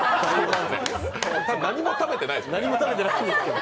何も食べてないんですけど。